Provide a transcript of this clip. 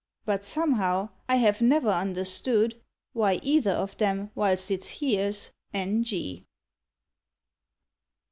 But, somehow, I have never understood Why either of them whilst it s here s " n.